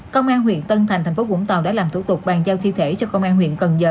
công an huyện tân thành thành phố vũng tàu đã làm thủ tục bàn giao thi thể cho công an huyện cần giờ